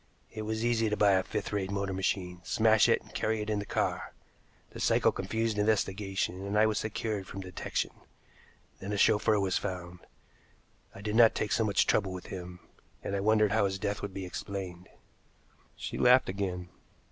It was easy to buy a fifth rate motor machine, smash it, and carry it in the car. The cycle confused investigation, and I was secure from detection. Then a chauffeur was found. I did not take so much trouble with him, and I wondered how his death would be explained." She laughed again.